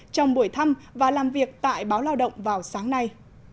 trong buổi thăm và làm việc tại báo lao động vào sáng nay